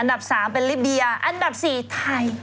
อันดับ๓เป็นลิเบียอันดับ๔ไทย